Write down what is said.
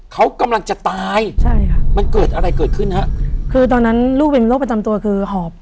เขากำลังจะตายใช่ค่ะมันเกิดอะไรเกิดขึ้นฮะคือตอนนั้นลูกเป็นโรคประจำตัวคือหอบ